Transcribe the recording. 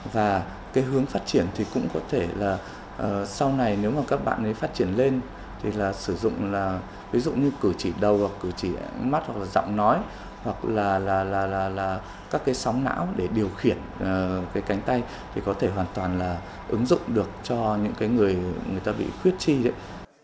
và cái hướng phát triển thì cũng có thể là sau này nếu mà các bạn phát triển lên thì là sử dụng là ví dụ như cử chỉ đầu hoặc cử chỉ mắt hoặc là giọng nói hoặc là các cái sóng não để điều khiển cái cánh tay thì có thể hoàn toàn là ứng dụng được cho những cái người người ta bị khuyết chi đấy